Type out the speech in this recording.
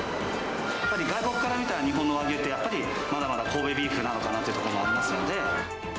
やっぱり外国から見た日本の和牛って、やっぱりまだまだ神戸ビーフなのかなというところもありますので。